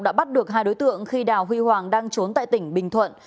đã bắt được hai đối tượng khi đào huy hoàng đang trốn tại tỉnh bình thuận